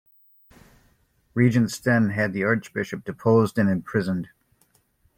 Regent Sten had the archbishop deposed and imprisoned.